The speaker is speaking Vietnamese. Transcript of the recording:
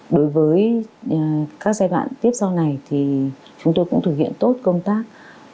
đối với các giai đoạn tiếp sau này thì chúng tôi cũng thực hiện tốt công tác